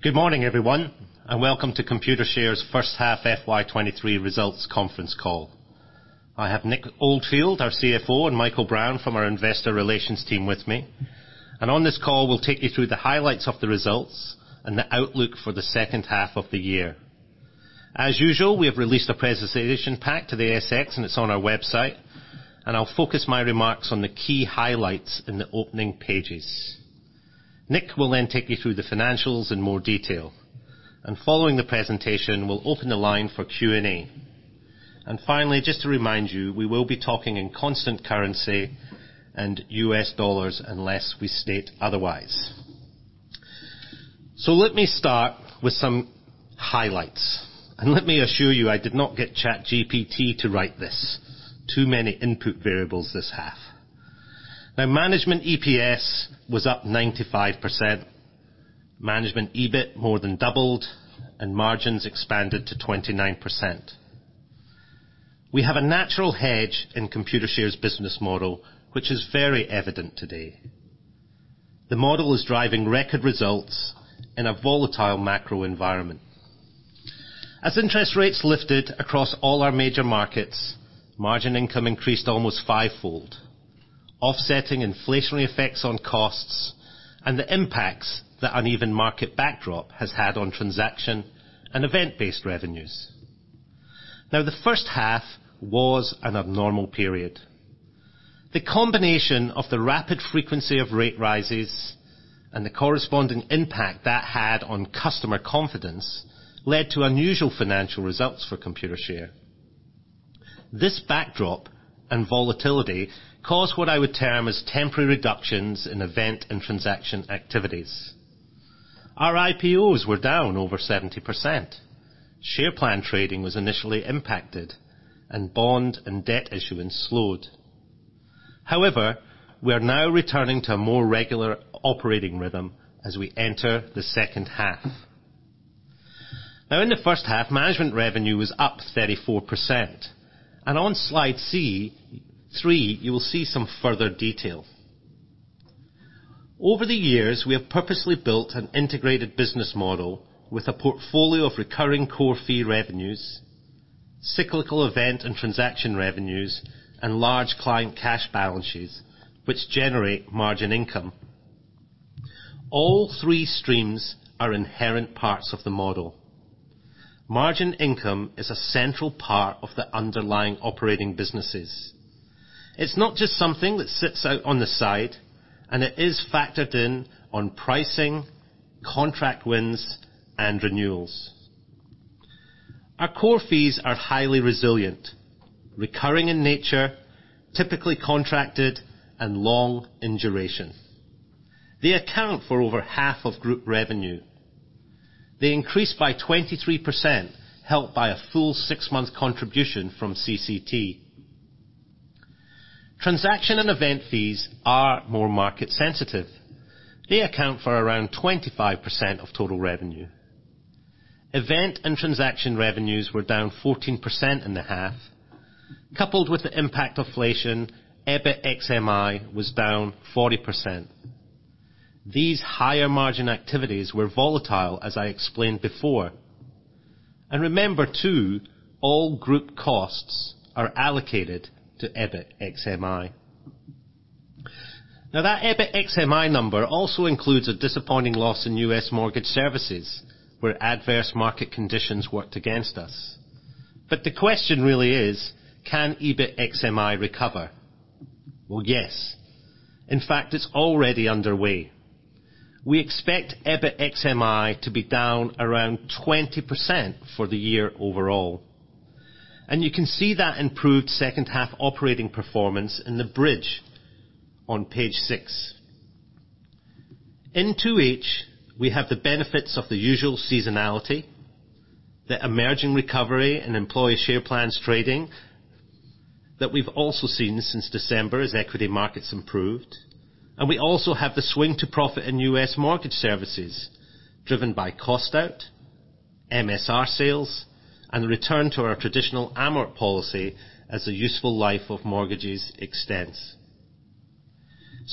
Good morning, everyone, welcome to Computershare's H1 FY23 results conference call. I have Nick Oldfield, our CFO, and Michael Brown from our investor relations team with me. On this call, we'll take you through the highlights of the results and the outlook for the H2 of the year. As usual, we have released a presentation pack to the ASX, and it's on our website, and I'll focus my remarks on the key highlights in the opening pages. Nick will then take you through the financials in more detail, and following the presentation, we'll open the line for Q&A. Finally, just to remind you, we will be talking in constant currency and US dollars unless we state otherwise. Let me start with some highlights, and let me assure you, I did not get ChatGPT to write this. Too many input variables this half. management EPS was up 95%. management EBIT more than doubled, and margins expanded to 29%. We have a natural hedge in Computershare's business model, which is very evident today. The model is driving record results in a volatile macro environment. As interest rates lifted across all our major markets, margin income increased almost five-fold, offsetting inflationary effects on costs and the impacts that uneven market backdrop has had on transaction and event-based revenues. The H1 was an abnormal period. The combination of the rapid frequency of rate rises and the corresponding impact that had on customer confidence led to unusual financial results for Computershare. This backdrop and volatility caused what I would term as temporary reductions in event and transaction activities. Our IPOs were down over 70%. Share plan trading was initially impacted, and bond and debt issuance slowed. We are now returning to a more regular operating rhythm as we enter the H2. In the H1, management revenue was up 34%. On slide C3, you will see some further detail. Over the years, we have purposely built an integrated business model with a portfolio of recurring core fee revenues, cyclical event and transaction revenues, and large client cash balances which generate margin income. All three streams are inherent parts of the model. margin income is a central part of the underlying operating businesses. It's not just something that sits out on the side. It is factored in on pricing, contract wins, and renewals. Our core fees are highly resilient, recurring in nature, typically contracted, and long in duration. They account for over half of group revenue. They increased by 23%, helped by a full 6-month contribution from CCT. Transaction and event fees are more market sensitive. They account for around 25% of total revenue. Event and transaction revenues were down 14% in the half. Coupled with the impact of inflation, EBIT ex MI was down 40%. These higher margin activities were volatile as I explained before. Remember too, all group costs are allocated to EBIT ex MI. That EBIT ex MI number also includes a disappointing loss in US Mortgage Services, where adverse market conditions worked against us. The question really is: Can EBIT ex MI recover? Well, yes. In fact, it's already underway. We expect EBIT ex MI to be down around 20% for the year overall, and you can see that improved H2 operating performance in the bridge on page 6. In 2H, we have the benefits of the usual seasonality, the emerging recovery and employee share plans trading that we've also seen since December as equity markets improved. We also have the swing to profit in US Mortgage Services driven by cost out, MSR sales, and the return to our traditional amortisation policy as the useful life of mortgages extends.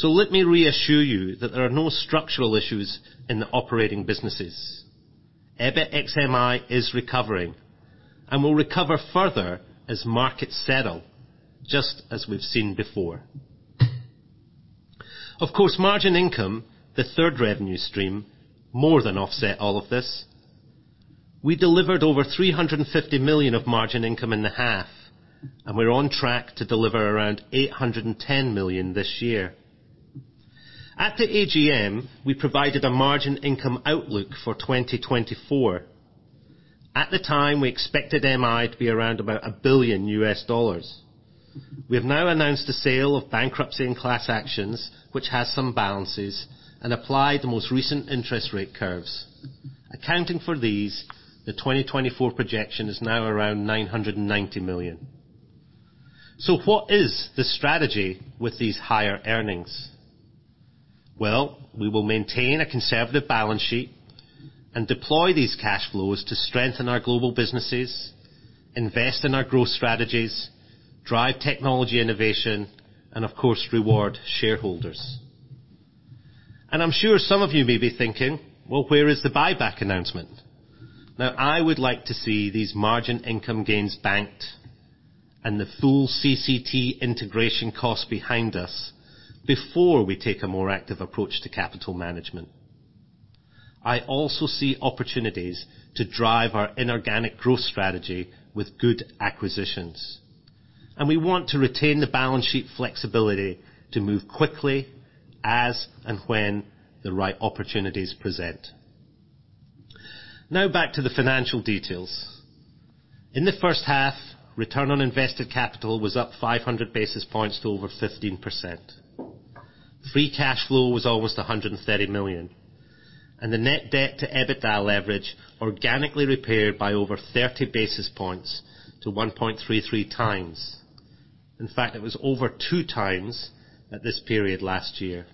Let me reassure you that there are no structural issues in the operating businesses. EBIT ex MI is recovering and will recover further as markets settle, just as we've seen before. Of course, margin income, the third revenue stream, more than offset all of this. We delivered over $350 million of margin income in the half, and we're on track to deliver around $810 million this year. At the AGM, we provided a margin income outlook for 2024. At the time, we expected MI to be around about $1 billion. We have now announced the sale of bankruptcy and class actions, which has some balances, and applied the most recent interest rate curves. Accounting for these, the 2024 projection is now around $990 million. What is the strategy with these higher earnings? Well, we will maintain a conservative balance sheet. And deploy these cash flows to strengthen our global businesses, invest in our growth strategies, drive technology innovation, and of course, reward shareholders. I'm sure some of you may be thinking, "Well, where is the buyback announcement?" I would like to see these margin income gains banked and the full CCT integration cost behind us before we take a more active approach to capital management. I also see opportunities to drive our inorganic growth strategy with good acquisitions. We want to retain the balance sheet flexibility to move quickly as, and when the right opportunities present. Back to the financial details. In the H1, return on invested capital was up 500 basis points to over 15%. Free cash flow was almost $130 million, and the net debt to EBITDA leverage organically repaired by over 30 basis points to 1.33 times. In fact, it was over two times at this period last year.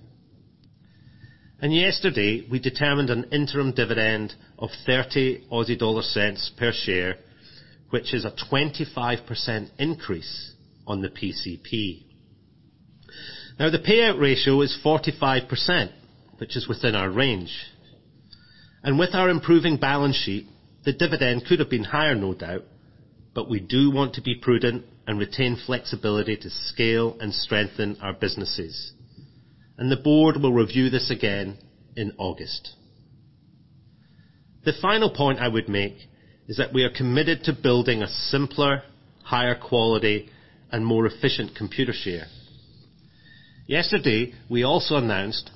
Yesterday, we determined an interim dividend of 0.30 per share, which is a 25% increase on the PCP. The payout ratio is 45%, which is within our range. With our improving balance sheet, the dividend could have been higher, no doubt, but we do want to be prudent and retain flexibility to scale and strengthen our businesses. The board will review this again in August. The final point I would make is that we are committed to building a simpler, higher quality and more efficient Computershare. Yesterday, we also announced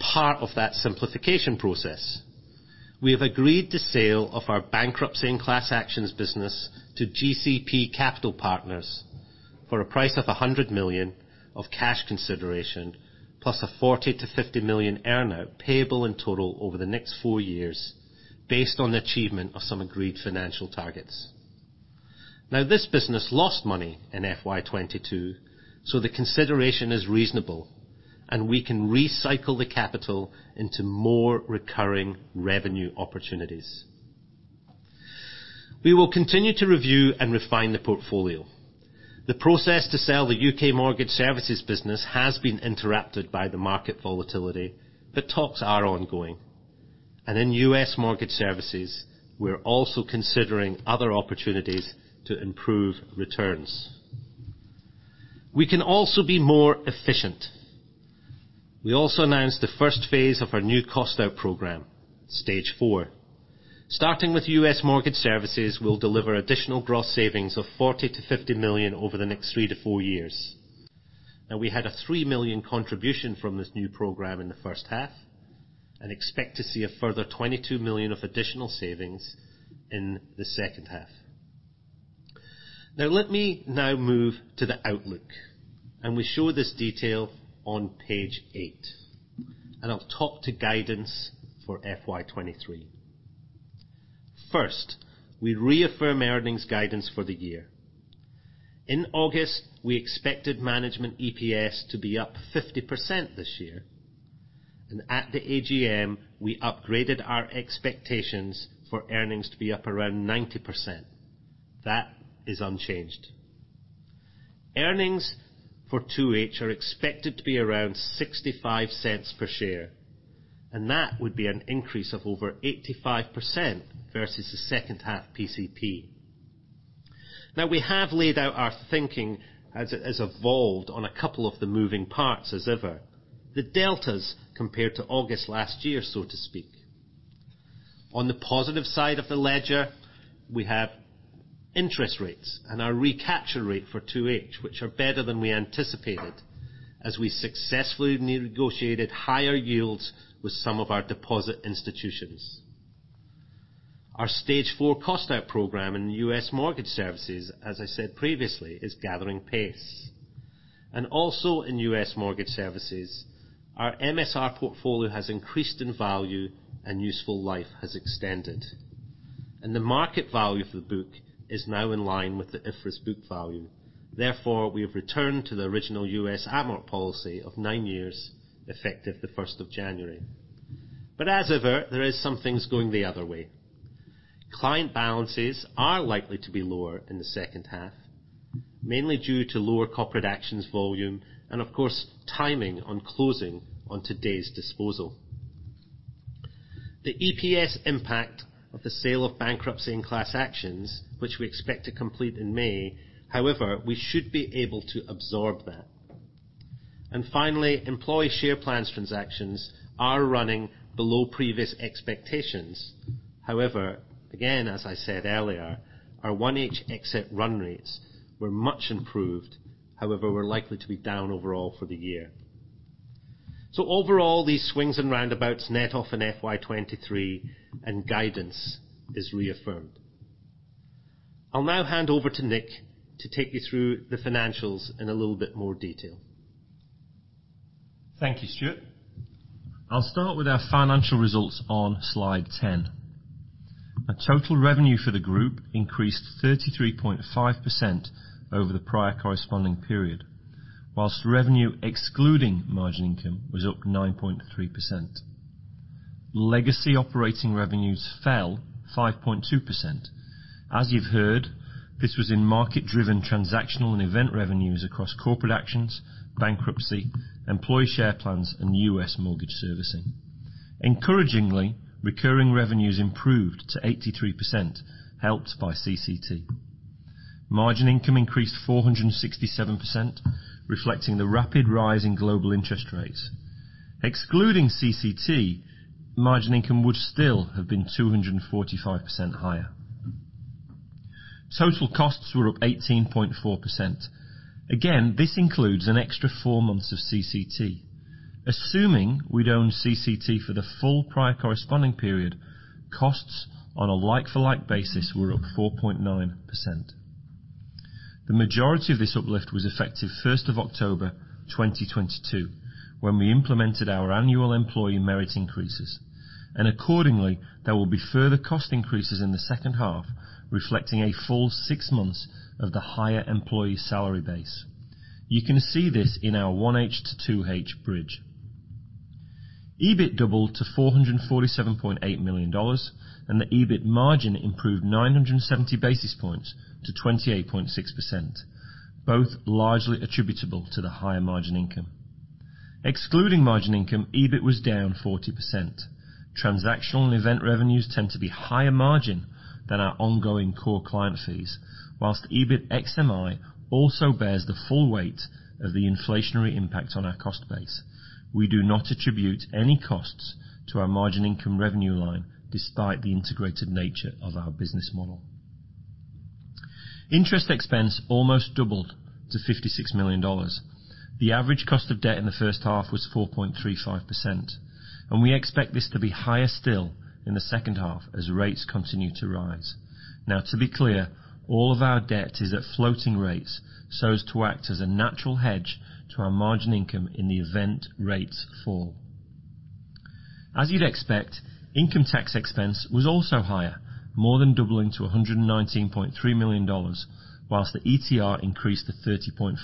part of that simplification process. We have agreed the sale of our bankruptcy and class actions business to GCP Capital Partners for a price of $100 million of cash consideration, plus a $40 million-$50 million earn out payable in total over the next four years based on the achievement of some agreed financial targets. This business lost money in FY22, so the consideration is reasonable, and we can recycle the capital into more recurring revenue opportunities. We will continue to review and refine the portfolio. The process to sell the UK Mortgage Services business has been interrupted by the market volatility, but talks are ongoing. In US Mortgage Services, we're also considering other opportunities to improve returns. We can also be more efficient. We also announced the first phase of our new cost out program, stage four. Starting with US Mortgage Services, we'll deliver additional gross savings of $40 million-$50 million over the next 3-four years. We had a $3 million contribution from this new program in the H1, and expect to see a further $22 million of additional savings in the H2. Let me now move to the outlook. We show this detail on page eight. I'll talk to guidance for FY 2023. First, we reaffirm earnings guidance for the year. In August, we expected management EPS to be up 50% this year. At the AGM, we upgraded our expectations for earnings to be up around 90%. That is unchanged. Earnings for 2H are expected to be around $0.65 per share, that would be an increase of over 85% versus the 2H PCP. We have laid out our thinking as it has evolved on a couple of the moving parts as ever, the deltas compared to August last year, so to speak. On the positive side of the ledger, we have interest rates and our recapture rate for 2H, which are better than we anticipated as we successfully negotiated higher yields with some of our deposit institutions. Our stage four cost out program in the US Mortgage Services, as I said previously, is gathering pace. Also in US Mortgage Services, our MSR portfolio has increased in value and useful life has extended. The market value for the book is now in line with the IFRS book value. Therefore, we have returned to the original U.S. amort policy of nine years, effective the first of January. As ever, there is some things going the other way. Client balances are likely to be lower in the H2, mainly due to lower corporate actions volume and of course, timing on closing on today's disposal. The EPS impact of the sale of bankruptcy and class actions, which we expect to complete in May, however, we should be able to absorb that. Finally, employee share plans transactions are running below previous expectations. However, again, as I said earlier, our 1H exit run rates were much improved. However, we're likely to be down overall for the year. Overall, these swings and roundabouts net off in FY23 and guidance is reaffirmed. I'll now hand over to Nick to take you through the financials in a little bit more detail. Thank you, Stuart. I'll start with our financial results on slide 10. Our total revenue for the group increased 33.5% over the prior corresponding period, while revenue excluding margin income was up 9.3%. Legacy operating revenues fell 5.2%. As you've heard, this was in market-driven transactional and event revenues across corporate actions, bankruptcy, employee share plans, and US Mortgage Services. Encouragingly, recurring revenues improved to 83%, helped by CCT. margin income increased 467%, reflecting the rapid rise in global interest rates. Excluding CCT, margin income would still have been 245% higher. Total costs were up 18.4%. Again, this includes an extra four months of CCT. Assuming we'd own CCT for the full prior corresponding period, costs on a like-for-like basis were up 4.9%. The majority of this uplift was effective 1st of October 2022, when we implemented our annual employee merit increases. Accordingly, there will be further cost increases in the H2, reflecting a full six months of the higher employee salary base. You can see this in our 1H to 2H bridge. EBIT doubled to $447.8 million, and the EBIT margin improved 970 basis points to 28.6%, both largely attributable to the higher margin income. Excluding margin income, EBIT was down 40%. Transactional and event revenues tend to be higher margin than our ongoing core client fees, whilst EBIT ex MI also bears the full weight of the inflationary impact on our cost base. We do not attribute any costs to our margin income revenue line, despite the integrated nature of our business model. Interest expense almost doubled to $56 million. The average cost of debt in the H1 was 4.35%, and we expect this to be higher still in the H2 as rates continue to rise. To be clear, all of our debt is at floating rates so as to act as a natural hedge to our margin income in the event rates fall. As you'd expect, income tax expense was also higher, more than doubling to $119.3 million, whilst the ETR increased to 30.5%.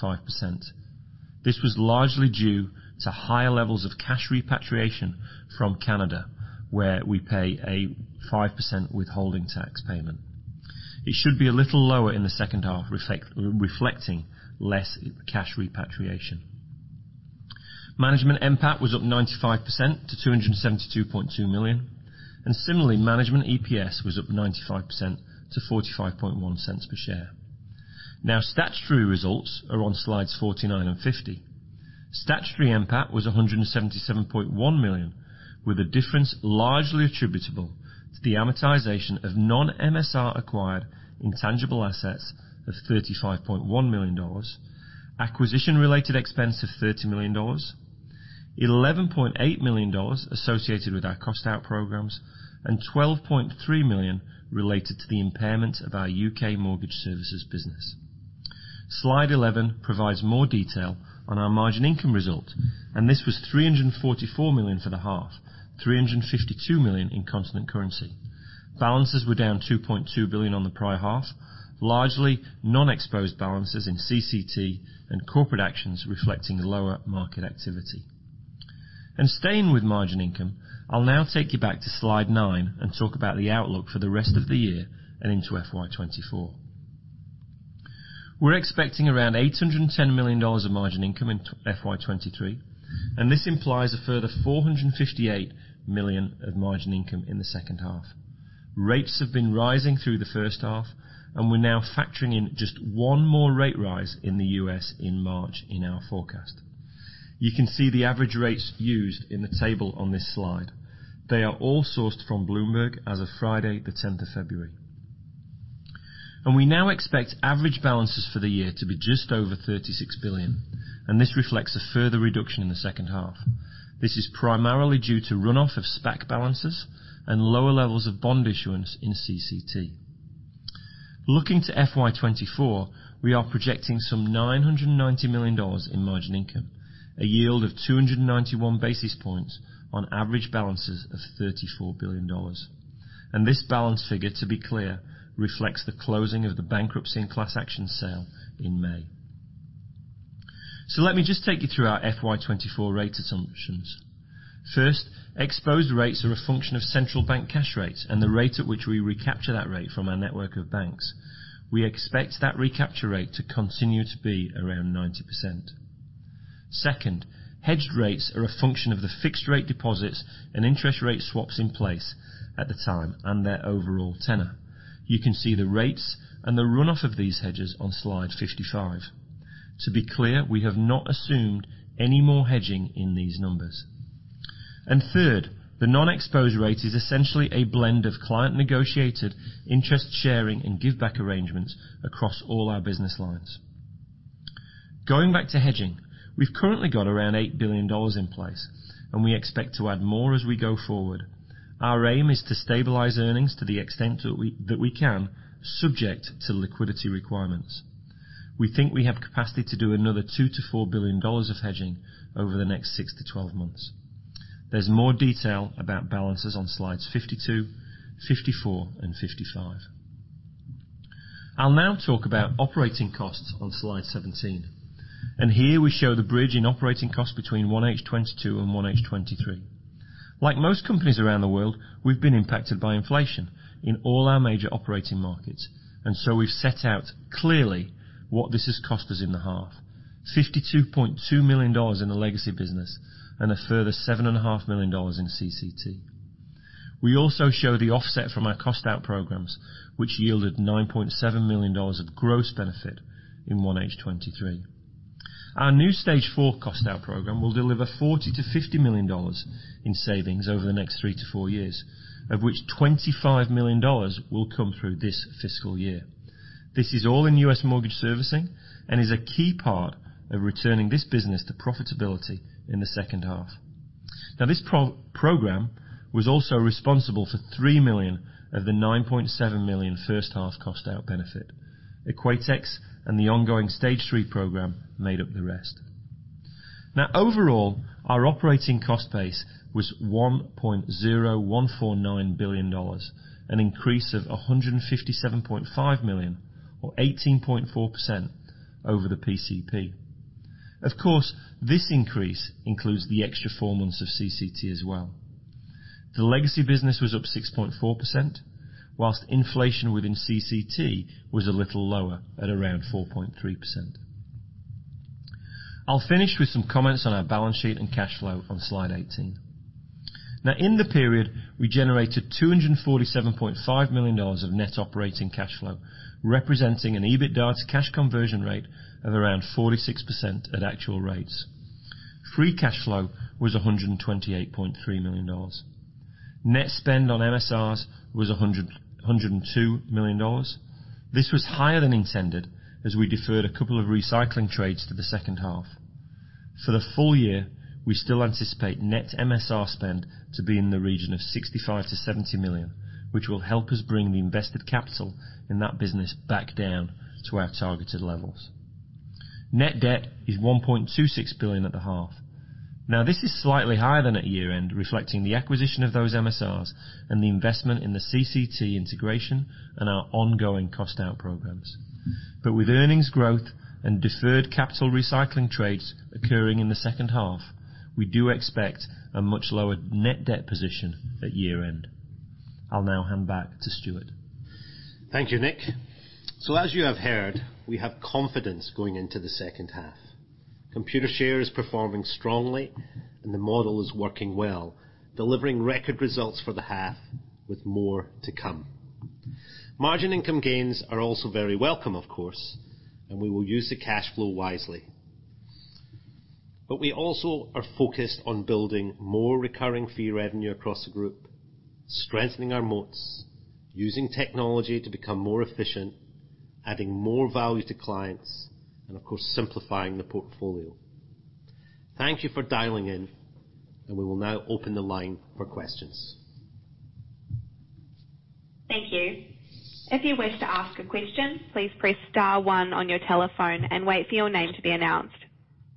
This was largely due to higher levels of cash repatriation from Canada, where we pay a 5% withholding tax payment. It should be a little lower in the H2, reflecting less cash repatriation. management MPAT was up 95% to $272.2 million. Similarly, management EPS was up 95% to $0.451 per share. Statutory results are on slides 49 and 50. Statutory MPAT was $177.1 million, with the difference largely attributable to the amortisation of non-MSR acquired intangible assets of $35.1 million, acquisition-related expense of $30 million, $11.8 million associated with our cost out programs, and $12.3 million related to the impairment of our UK Mortgage Services business. Slide 11 provides more detail on our margin income result. This was $344 million for the half, $352 million in constant currency. Balances were down $2.2 billion on the prior half, largely non-exposed balances in CCT and corporate actions reflecting lower market activity. Staying with margin income, I'll now take you back to slide nine and talk about the outlook for the rest of the year and into FY 2024. We're expecting around $810 million of margin income in FY 2023, and this implies a further $458 million of margin income in the H2. Rates have been rising through the H1, and we're now factoring in just one more rate rise in the U.S. in March in our forecast. You can see the average rates used in the table on this slide. They are all sourced from Bloomberg as of Friday, the 10th of February. We now expect average balances for the year to be just over $36 billion, and this reflects a further reduction in the H2. This is primarily due to runoff of SPAC balances and lower levels of bond issuance in CCT. Looking to FY24, we are projecting some $990 million in margin income, a yield of 291 basis points on average balances of $34 billion. This balance figure, to be clear, reflects the closing of the bankruptcy and class action sale in May. Let me just take you through our FY24 rate assumptions. First, exposed rates are a function of central bank cash rates and the rate at which we recapture that rate from our network of banks. We expect that recapture rate to continue to be around 90%. Second, hedged rates are a function of the fixed rate deposits and interest rate swaps in place at the time and their overall tenor. You can see the rates and the runoff of these hedges on slide 55. To be clear, we have not assumed any more hedging in these numbers. Third, the non-exposed rate is essentially a blend of client-negotiated interest sharing and giveback arrangements across all our business lines. Going back to hedging, we've currently got around $8 billion in place, and we expect to add more as we go forward. Our aim is to stabilize earnings to the extent that we can, subject to liquidity requirements. We think we have capacity to do another $2 billion-$4 billion of hedging over the next 6-12 months. There's more detail about balances on slides 52, 54 and 55. I'll now talk about operating costs on slide 17. Here we show the bridge in operating costs between 1H 2022 and 1H 2023. Like most companies around the world, we've been impacted by inflation in all our major operating markets, we've set out clearly what this has cost us in the half. $52.2 million in the legacy business and a further $7.5 million in CCT. We also show the offset from our cost out programs, which yielded $9.7 million of gross benefit in 1H 2023. Our new stage four cost out program will deliver $40 million-$50 million in savings over the next 3-4 years, of which $25 million will come through this fiscal year. This is all in US mortgage servicing and is a key part of returning this business to profitability in the H2. This pro-program was also responsible for $3 million of the $9.7 million H1 cost out benefit. Equatex and the ongoing Stage three program made up the rest. Overall, our operating cost base was $1.0149 billion, an increase of $157.5 million or 18.4% over the PCP. Of course, this increase includes the extra four months of CCT as well. The legacy business was up 6.4%, while inflation within CCT was a little lower at around 4.3%. I'll finish with some comments on our balance sheet and cash flow on slide 18. In the period, we generated $247.5 million of net operating cash flow, representing an EBITDA to cash conversion rate of around 46% at actual rates. Free cash flow was $128.3 million. Net spend on MSRs was $102 million. This was higher than intended as we deferred a couple of recycling trades to the H2. For the full year, we still anticipate net MSR spend to be in the region of $65 million-$70 million, which will help us bring the invested capital in that business back down to our targeted levels. Net debt is $1.26 billion at the half. This is slightly higher than at year-end, reflecting the acquisition of those MSRs and the investment in the CCT integration and our ongoing cost out programs. With earnings growth and deferred capital recycling trades occurring in the H2, we do expect a much lower net debt position at year-end. I'll now hand back to Stuart. Thank you, Nick. As you have heard, we have confidence going into the H2. Computershare is performing strongly and the model is working well, delivering record results for the half with more to come. margin income gains are also very welcome, of course, and we will use the cash flow wisely. We also are focused on building more recurring fee revenue across the group, strengthening our moats, using technology to become more efficient, adding more value to clients, and of course, simplifying the portfolio. Thank you for dialing in, and we will now open the line for questions. Thank you. If you wish to ask a question, please press star one on your telephone and wait for your name to be announced.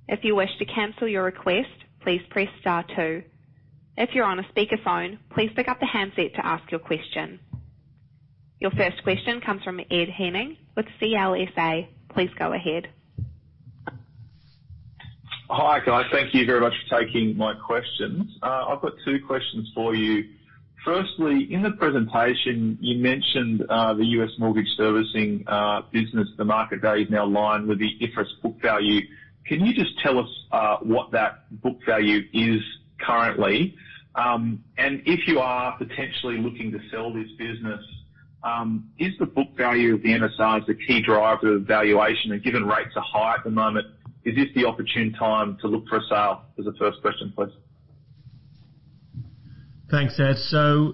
If you wish to cancel your request, please press star two. If you're on a speakerphone, please pick up the handset to ask your question. Your first question comes from Ed Henning with CLSA. Please go ahead. Hi, guys. Thank you very much for taking my questions. I've got two questions for you. Firstly, in the presentation, you mentioned, the US Mortgage Services, business, the market value is now in line with the IFRS book value. Can you just tell us, what that book value is currently? If you are potentially looking to sell this business, is the book value of the MSRs the key driver of valuation and given rates are high at the moment, is this the opportune time to look for a sale? As a first question, please. Thanks, Ed.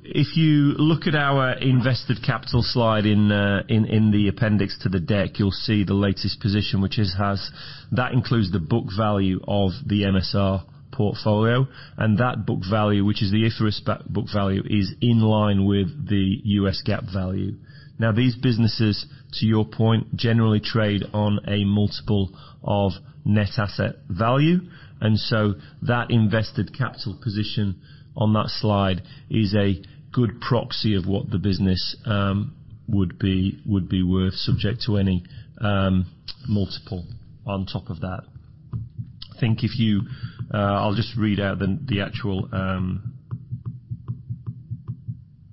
If you look at our invested capital slide in the appendix to the deck, you'll see the latest position. That includes the book value of the MSR portfolio, and that book value, which is the IFRS book value, is in line with the US GAAP value. These businesses, to your point, generally trade on a multiple of net asset value, and so that invested capital position on that slide is a good proxy of what the business would be worth, subject to any multiple on top of that. I think if you I'll just read out the actual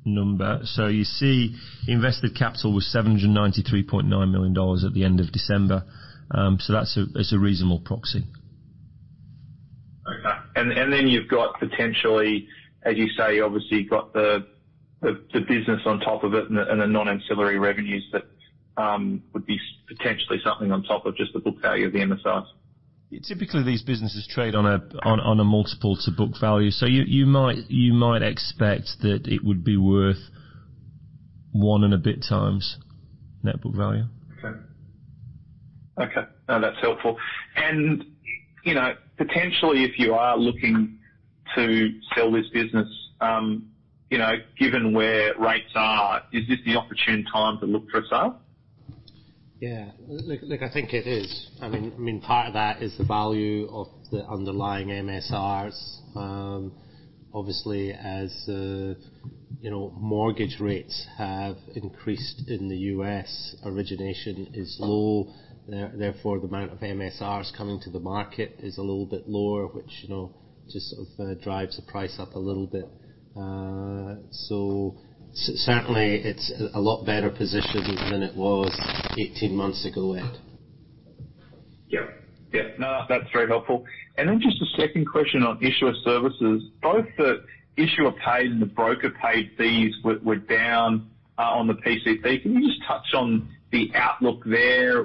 number. You see invested capital was $793.9 million at the end of December. That's a reasonable proxy. Okay. Then you've got potentially, as you say, obviously, you've got the business on top of it and the non-ancillary revenues that would be potentially something on top of just the book value of the MSRs. Typically, these businesses trade on a multiple to book value. You might expect that it would be worth one and a bit times net book value. Okay. Okay, no, that's helpful. You know, potentially, if you are to sell this business, you know, given where rates are, is this the opportune time to look for a sale? Look, I mean, part of that is the value of the underlying MSRs. Obviously as the, you know, mortgage rates have increased in the U.S., origination is low. Therefore, the amount of MSRs coming to the market is a little bit lower, which, you know, just sort of drives the price up a little bit. Certainly it's a lot better position than it was 18 months ago, Ed. Yeah. Yeah. No, that's very helpful. Just a second question on issuer services. Both the issuer paid and the broker paid fees were down on the PCP. Can you just touch on the outlook there?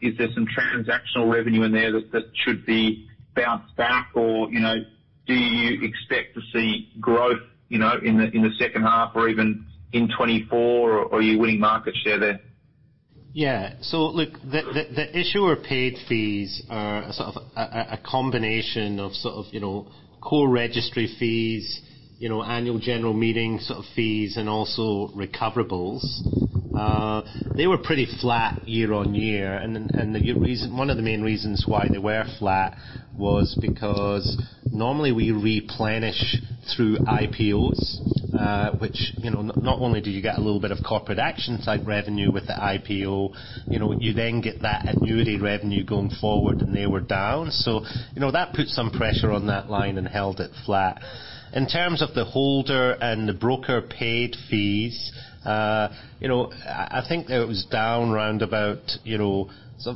Is there some transactional revenue in there that should be bounced back or, you know, do you expect to see growth, you know, in the H2 or even in 2024, or are you winning market share there? Yeah. Look, the issuer paid fees are sort of a combination of, you know, core registry fees, you know, annual general meeting sort of fees and also recoverables. They were pretty flat year-on-year. One of the main reasons why they were flat was because normally we replenish through IPOs, which, you know, not only do you get a little bit of corporate action type revenue with the IPO, you then get that annuity revenue going forward, they were down. You know, that put some pressure on that line and held it flat. In terms of the holder and the broker-paid fees, you know, I think it was down round about, you know,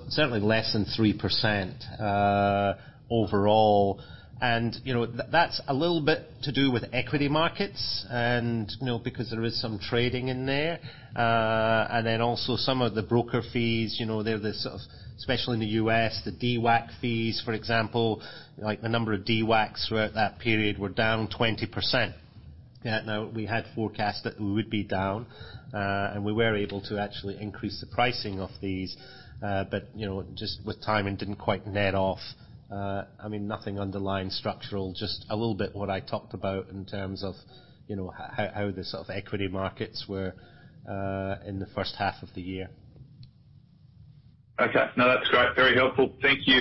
certainly less than 3% overall. You know, that's a little bit to do with equity markets and, you know, because there is some trading in there. Then also some of the broker fees, you know, they're the sort of, especially in the U.S., the DWAC fees, for example, like the number of DWACs throughout that period were down 20%. Now we had forecast that we would be down, and we were able to actually increase the pricing of these, but you know, just with timing, didn't quite net off. I mean, nothing underlying structural, just a little bit what I talked about in terms of, you know, how the sort of equity markets were in the H1 of the year. Okay. No, that's great. Very helpful. Thank you.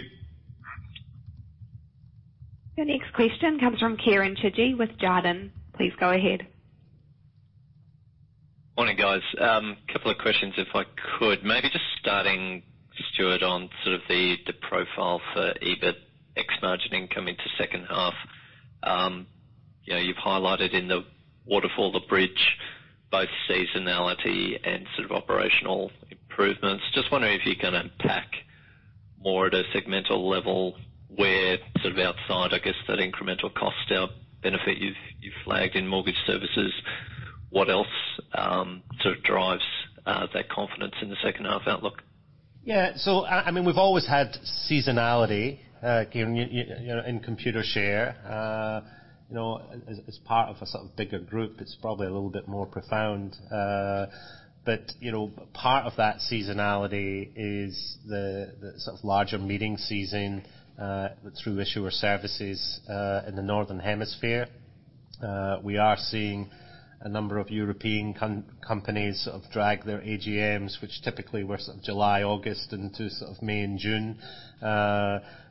Your next question comes from Kieren Chidgey with Jarden. Please go ahead. Morning, guys. couple of questions if I could. Maybe just starting, Stuart, on sort of the profile for EBIT ex margin income into H2. you know, you've highlighted in the waterfall, the bridge, both seasonality and sort of operational improvements. Just wondering if you can unpack more at a segmental level where sort of outside, I guess, that incremental cost out benefit you've flagged in Mortgage Services, what else, sort of drives, that confidence in the H2 outlook? Yeah. I mean, we've always had seasonality, Kieren, you know, in Computershare. You know, as part of a sort of bigger group, it's probably a little bit more profound. You know, part of that seasonality is the sort of larger meeting season through issuer services in the northern hemisphere. We are seeing a number of European companies sort of drag their AGMs, which typically were sort of July, August into sort of May and June,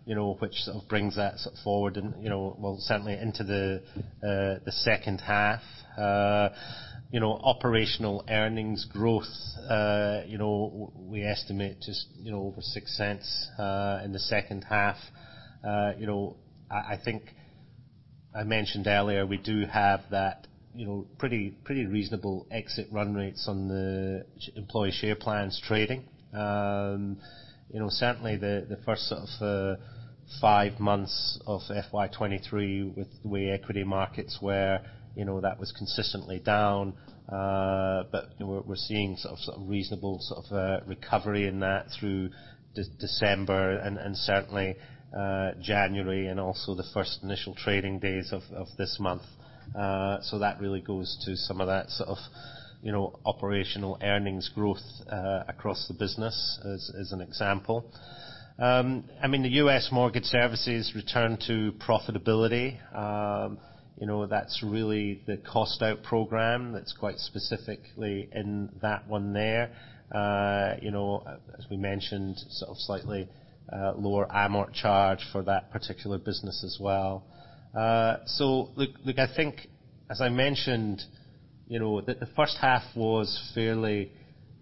you know, which sort of brings that sort of forward and, you know, well, certainly into the H2. You know, operational earnings growth, you know, we estimate just, you know, over $0.06 in the H2. you know, I think I mentioned earlier, we do have that, you know, pretty reasonable exit run rates on the employee share plans trading. you know, certainly the first sort of, five months of FY23 with the way equity markets were, you know, that was consistently down. We're seeing sort of reasonable recovery in that through December and, certainly, January and also the first initial trading days of this month. That really goes to some of that sort of, you know, operational earnings growth, across the business as an example. I mean, the US Mortgage Services return to profitability. you know, that's really the cost out program that's quite specifically in that one there. You know, as we mentioned, slightly lower amortisation charge for that particular business as well. I think as I mentioned, you know, the H1 was fairly,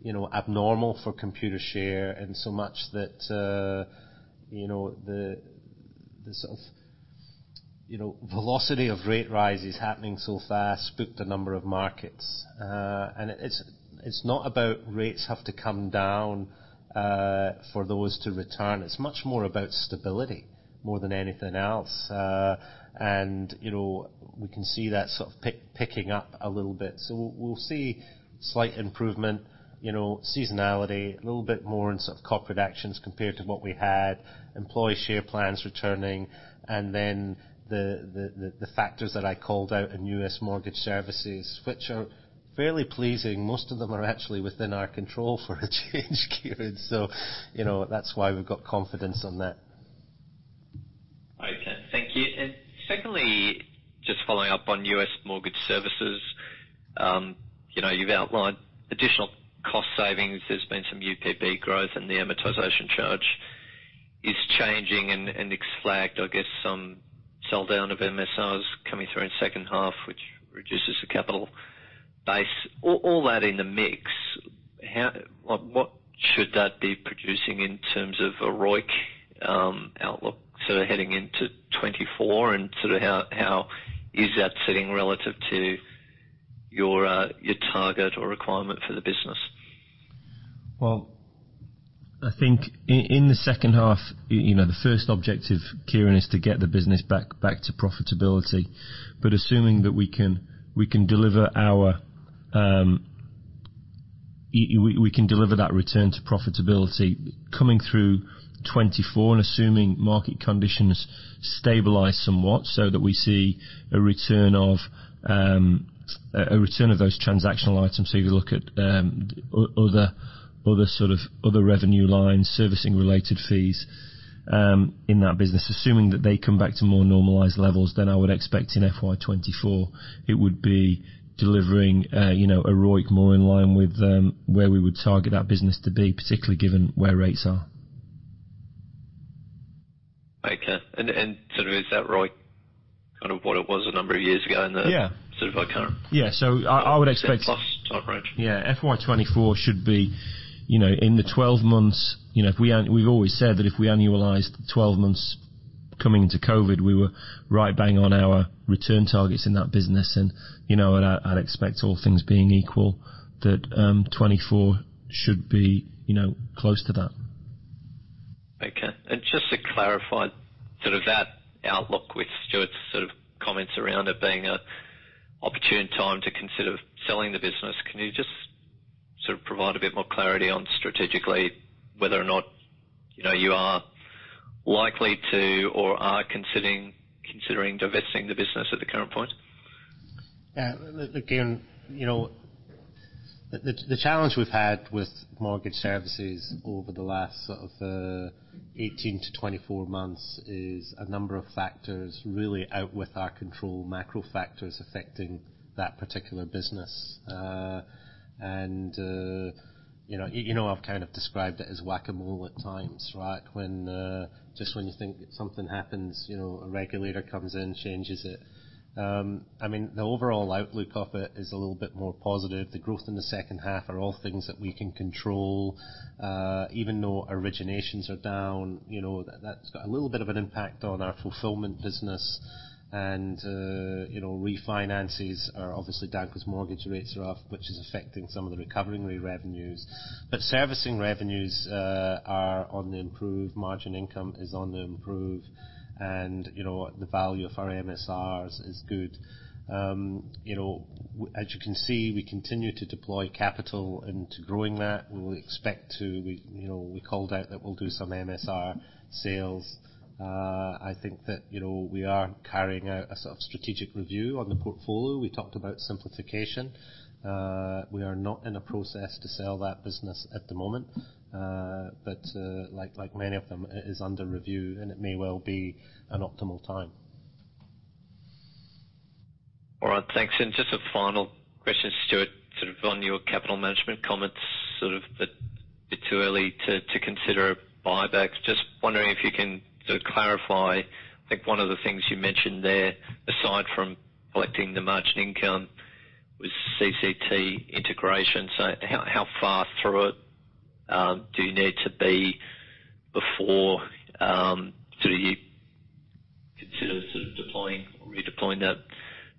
you know, abnormal for Computershare, in so much that, you know, the sort of, you know, velocity of rate rises happening so fast spooked a number of markets. And it's not about rates have to come down for those to return. It's much more about stability more than anything else. And, you know, we can see that sort of picking up a little bit. We'll see slight improvement, you know, seasonality a little bit more in sort of corporate actions compared to what we had, employee share plans returning, and then the factors that I called out in US Mortgage Services, which are fairly pleasing. Most of them are actually within our control for a change, Kieren. You know, that's why we've got confidence on that. Okay, thank you. Secondly, just following up on US Mortgage Services. You know, you've outlined additional cost savings. There's been some UPB growth, and the amortization charge is changing, and Nick's flagged, I guess, some sell down of MSR is coming through in H2, which reduces the capital base. All that in the mix, what should that be producing in terms of a ROIC outlook sort of heading into 2024 and sort of how is that sitting relative to your target or requirement for the business? I think in the H2, you know, the first objective, Kieren, is to get the business back to profitability. Assuming that we can deliver our, we can deliver that return to profitability coming through 2024 and assuming market conditions stabilize somewhat so that we see a return of a return of those transactional items. You look at other sort of other revenue lines, servicing related fees in that business. Assuming that they come back to more normalized levels, I would expect in FY 2024 it would be delivering, you know, a ROIC more in line with where we would target that business to be, particularly given where rates are. Okay. And sort of is that ROIC kind of what it was a number of years ago in the- Yeah. sort of our current. Yeah. I would. Plus type range. Yeah. FY 2024 should be, you know, in the 12 months, you know, if we've always said that if we annualized 12 months coming into COVID, we were right bang on our return targets in that business. You know, I'd expect all things being equal, that, 2024 should be, you know, close to that. Okay. Just to clarify sort of that outlook with Stuart's sort of comments around it being a opportune time to consider selling the business. Can you just sort of provide a bit more clarity on strategically whether or not, you know, you are likely to or are considering divesting the business at the current point? Yeah. Again, you know, the challenge we've had with mortgage services over the last sort of 18-24 months is a number of factors really out with our control, macro factors affecting that particular business. You know, I've kind of described it as whack-a-mole at times, right? When, just when you think something happens, you know, a regulator comes in, changes it. I mean, the overall outlook of it is a little bit more positive. The growth in the H2 are all things that we can control. Even though originations are down, you know, that's got a little bit of an impact on our fulfillment business. You know, refinances are obviously down because mortgage rates are up, which is affecting some of the recovery revenues. Servicing revenues are on the improve, margin income is on the improve. You know, the value of our MSRs is good. You know, as you can see, we continue to deploy capital into growing that. We expect to, you know, we called out that we'll do some MSR sales. I think that, you know, we are carrying out a sort of strategic review on the portfolio. We talked about simplification. We are not in a process to sell that business at the moment. Like many of them, it is under review, and it may well be an optimal time. All right. Thanks. Just a final question, Stuart, sort of on your capital management comments, sort of a bit too early to consider buybacks. Just wondering if you can sort of clarify. I think one of the things you mentioned there, aside from collecting the margin income, was CCT integration. How far through it do you need to be before do you consider sort of deploying or redeploying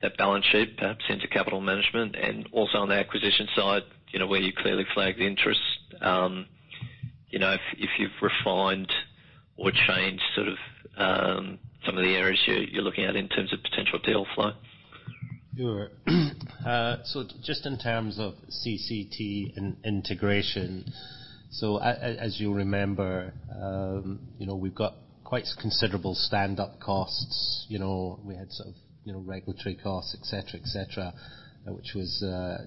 that balance sheet perhaps into capital management? Also on the acquisition side, you know, where you clearly flagged interest, you know, if you've refined or changed sort of some of the areas you're looking at in terms of potential deal flow? Sure. Just in terms of CCT in-integration, as you'll remember, you know, we've got quite considerable stand-up costs. You know, we had sort of, you know, regulatory costs, et cetera, et cetera, which was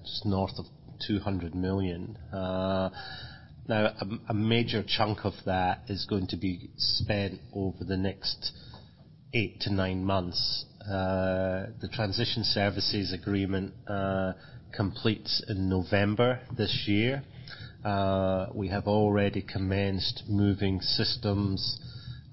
just north of $200 million. Now a major chunk of that is going to be spent over the next eight to nine months. The Transition Services Agreement completes in November this year. We have already commenced moving systems,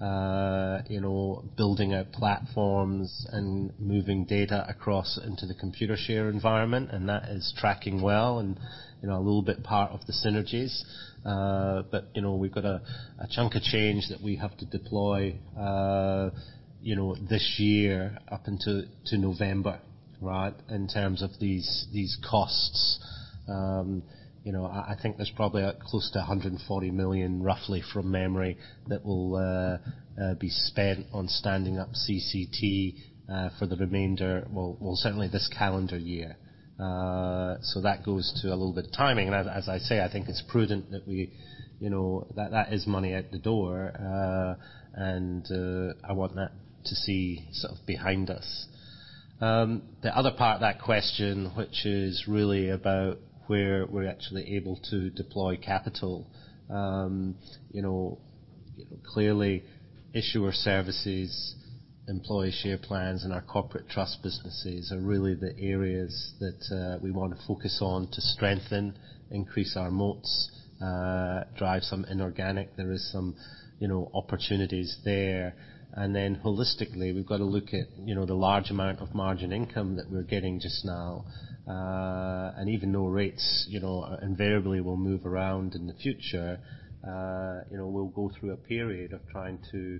you know, building out platforms and moving data across into the Computershare environment, and that is tracking well and, you know, a little bit part of the synergies. You know, we've got a chunk of change that we have to deploy, you know, this year up until to November, right? In terms of these costs. You know, I think there's probably close to $140 million roughly from memory that will be spent on standing up CCT for the remainder. Certainly this calendar year. That goes to a little bit of timing. As I say, I think it's prudent that we, you know, that is money out the door. I want that to see sort of behind us. The other part of that question, which is really about where we're actually able to deploy capital. You know, clearly issuer services, employee share plans, and our corporate trust businesses are really the areas that we wanna focus on to strengthen, increase our moats, drive some inorganic. There is some, you know, opportunities there. Holistically, we've got to look at, you know, the large amount of margin income that we're getting just now. And even though rates, you know, invariably will move around in the future, you know, we'll go through a period of trying to,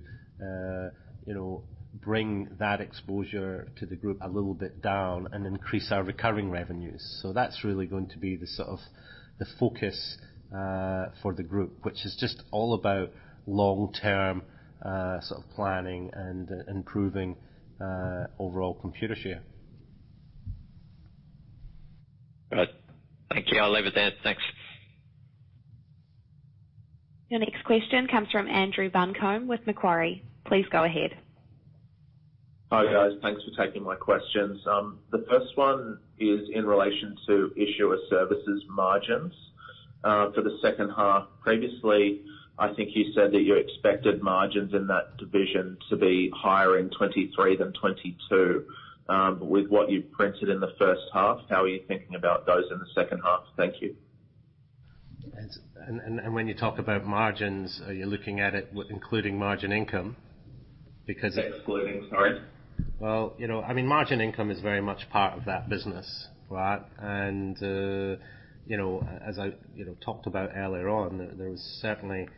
you know, bring that exposure to the group a little bit down and increase our recurring revenues. That's really going to be the sort of the focus for the group, which is just all about long-term, sort of planning and improving, overall Computershare. Right. Thank you. I'll leave it there. Thanks. Your next question comes from Andrew Buncombe with Macquarie. Please go ahead. Hi, guys. Thanks for taking my questions. The first one is in relation to issuer services margins for the H2. Previously, I think you said that you expected margins in that division to be higher in 2023 than 2022. With what you've printed in the H1, how are you thinking about those in the H2? Thank you. When you talk about margins, are you looking at it with including margin income because? Excluding, sorry. Well, you know, I mean, margin income is very much part of that business, right? As I, you know, talked about earlier on, there was certainly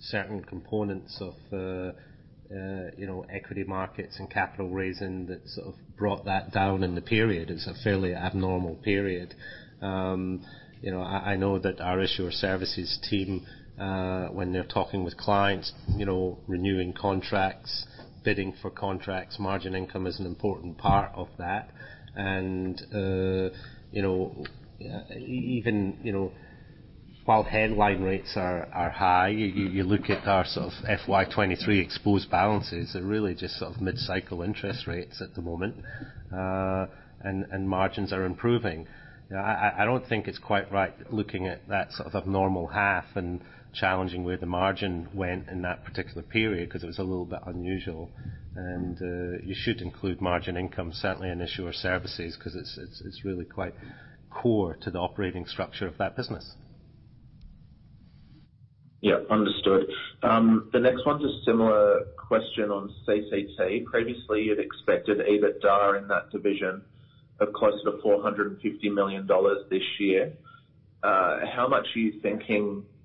certain components of, you know, equity markets and capital raising that sort of brought that down in the period. It's a fairly abnormal period. You know, I know that our issuer services team, when they're talking with clients, you know, renewing contracts, bidding for contracts, margin income is an important part of that. You know, while headline rates are high, you look at our sort of FY23 exposed balances, they're really just sort of mid-cycle interest rates at the moment, and margins are improving. I don't think it's quite right looking at that sort of abnormal half and challenging where the margin went in that particular period because it was a little bit unusual. You should include margin income, certainly in issuer services, 'cause it's really quite core to the operating structure of that business. Yeah, understood. The next one's a similar question on CCT. Previously, you'd expected EBITDA in that division of close to $450 million this year.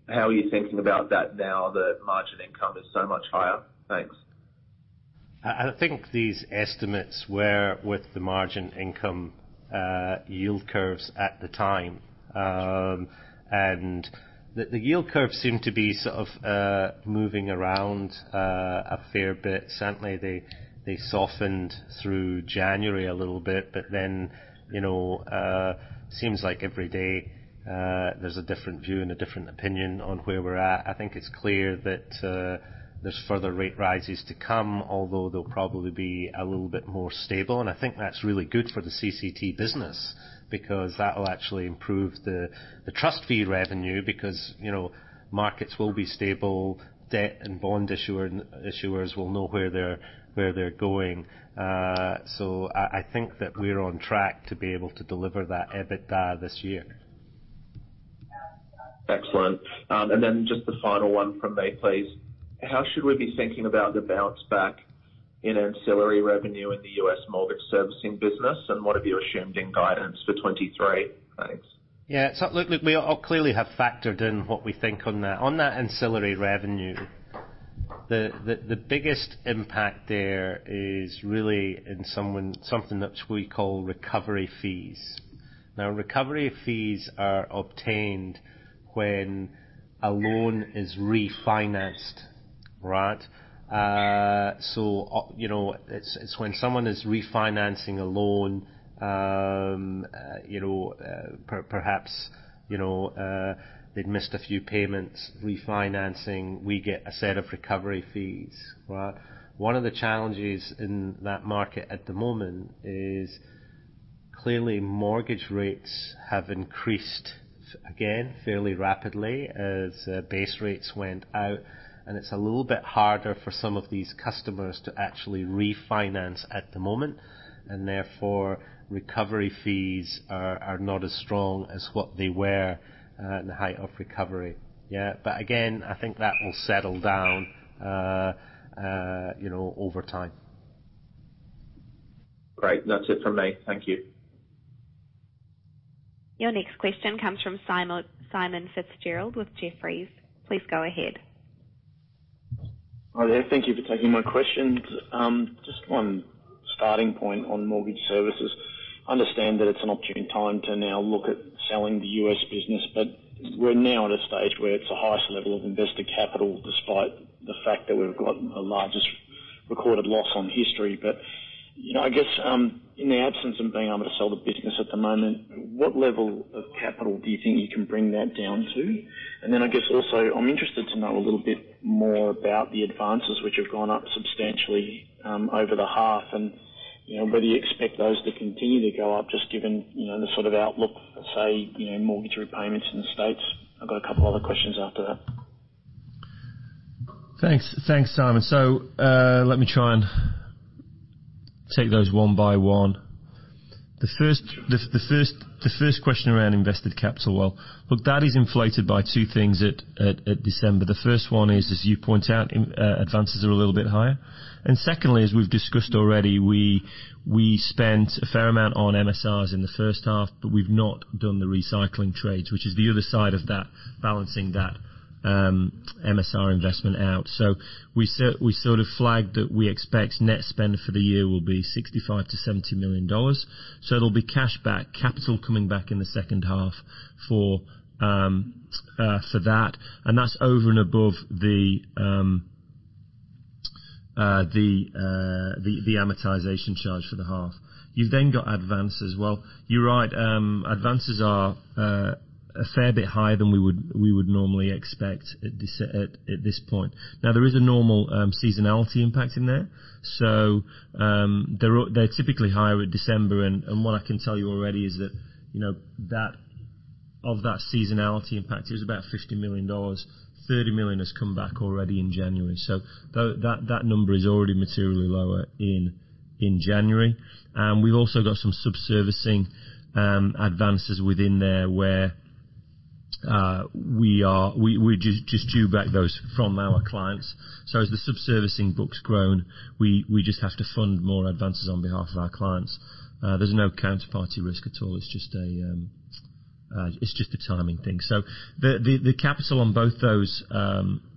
How are you thinking about that now that margin income is so much higher? Thanks. I think these estimates were with the margin income yield curves at the time. The yield curves seem to be sort of moving around a fair bit. Certainly, they softened through January a little bit, you know, seems like every day there's a different view and a different opinion on where we're at. I think it's clear that there's further rate rises to come, although they'll probably be a little bit more stable. I think that's really good for the CCT business because that will actually improve the trust fee revenue because, you know, markets will be stable, debt and bond issuers will know where they're going. I think that we're on track to be able to deliver that EBITDA this year. Excellent. Then just the final one from me, please. How should we be thinking about the bounce back in ancillary revenue in the US Mortgage Services business? What have you assumed in guidance for 2023? Thanks. Look, we all clearly have factored in what we think on that. On that ancillary revenue, the biggest impact there is really in something that we call recovery fees. Recovery fees are obtained when a loan is refinanced, right? You know, it's when someone is refinancing a loan, you know, perhaps, you know, they'd missed a few payments refinancing, we get a set of recovery fees, right? One of the challenges in that market at the moment is clearly mortgage rates have increased again fairly rapidly as base rates went out, and it's a little bit harder for some of these customers to actually refinance at the moment. Therefore, recovery fees are not as strong as what they were in the height of recovery. Again, I think that will settle down, you know, over time. Great. That's it from me. Thank you. Your next question comes from Simon Fitzgerald with Jefferies. Please go ahead. Hi, there. Thank you for taking my questions. Just one starting point on US Mortgage Services. Understand that it's an opportune time to now look at selling the US business, but we're now at a stage where it's the highest level of investor capital despite the fact that we've got the largest recorded loss on history. You know, I guess, in the absence of being able to sell the business at the moment, what level of capital do you think you can bring that down to? Then I guess also, I'm interested to know a little bit more about the advances which have gone up substantially over the half and you know, do you expect those to continue to go up just given, you know, the sort of outlook, let's say, you know, mortgage repayments in the States? I've got a couple other questions after that. Thanks. Thanks, Simon. Let me try and take those one by one. The first question around invested capital. Well, look, that is inflated by two things at December. The first one is, as you point out, in advances are a little bit higher. Secondly, as we've discussed already, we spent a fair amount on MSRs in the H1, but we've not done the recycling trades, which is the other side of that balancing that MSR investment out. We sort of flagged that we expect net spend for the year will be $65 million-$70 million. It'll be cash back, capital coming back in the H2 for that. That's over and above the amortization charge for the half. You've then got advances. You're right. Advances are a fair bit higher than we would normally expect at this point. There is a normal seasonality impact in there. They're typically higher at December. What I can tell you already is that, you know, that of that seasonality impact is about $50 million. $30 million has come back already in January. That number is already materially lower in January. We've also got some subservicing advances within there where we are. We just drew back those from our clients. As the subservicing books grown, we just have to fund more advances on behalf of our clients. There's no counterparty risk at all. It's just a timing thing. The capital on both those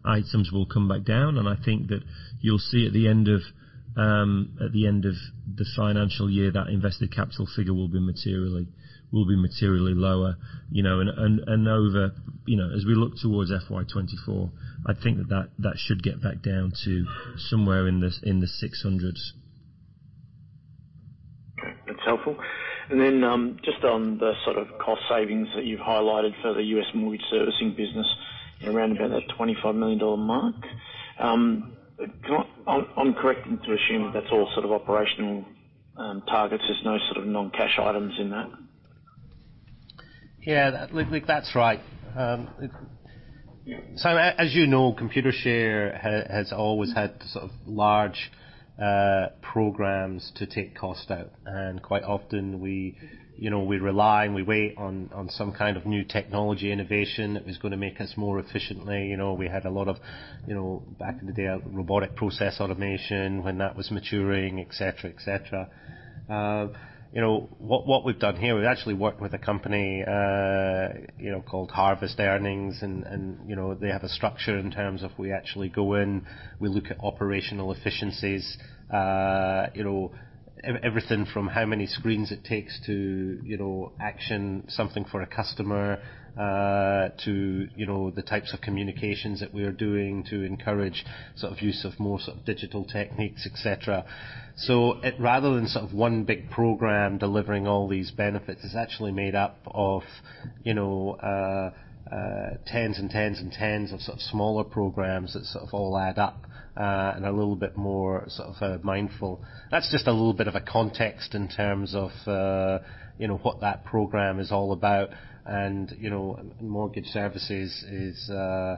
items will come back down, and I think that you'll see at the end of this financial year, that invested capital figure will be materially lower. You know, as we look towards FY 2024, I think that should get back down to somewhere in the 600s. Okay. That's helpful. Just on the sort of cost savings that you've highlighted for the US Mortgage Services around about that $25 million mark. I'm correct to assume that that's all sort of operational targets. There's no sort of non-cash items in that? Yeah. Look, that's right. As you know, Computershare has always had sort of large programs to take cost out. Quite often, we, you know, we rely and we wait on some kind of new technology innovation that is gonna make us more efficiently. You know, we had a lot of, you know, back in the day, robotic process automation when that was maturing, et cetera, et cetera. You know, what we've done here, we've actually worked with a company, you know, called Harvest Earnings. You know, they have a structure in terms of we actually go in, we look at operational efficiencies. You know, everything from how many screens it takes to, you know, action something for a customer, to, you know, the types of communications that we are doing to encourage sort of use of more sort of digital techniques, et cetera. Rather than sort of one big program delivering all these benefits, it's actually made up of, you know, tens and tens and tens of sort of smaller programs that sort of all add up, and a little bit more sort of mindful. That's just a little bit of a context in terms of, you know, what that program is all about. You know, mortgage services is, you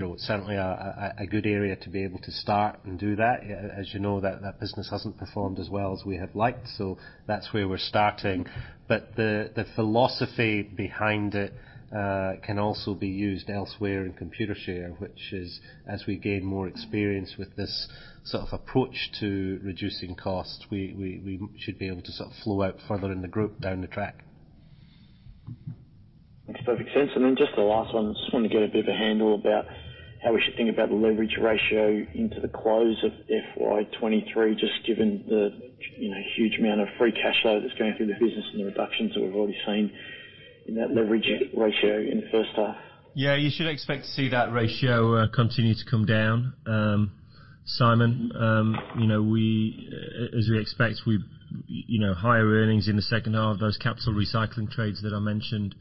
know, certainly a good area to be able to start and do that. As you know, that business hasn't performed as well as we had liked. That's where we're starting. The, the philosophy behind it can also be used elsewhere in Computershare. Which is, as we gain more experience with this sort of approach to reducing costs, we should be able to sort of flow out further in the group down the track. Makes perfect sense. Just the last one. I just wanted to get a bit of a handle about how we should think about the leverage ratio into the close of FY23, just given the, you know, huge amount of free cash flow that's going through the business and the reductions that we've already seen in that leverage ratio in the H1. Yeah, you should expect to see that ratio continue to come down, Simon. You know, as we expect, we, you know, higher earnings in the H2. Those capital recycling trades that I mentioned,